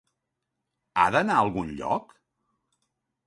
Ha d'anar a algun lloc?